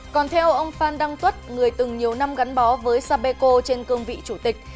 còn theo ông phan đăng tuất người từng nhiều năm gắn bó với sapeco trên cương vị chủ tịch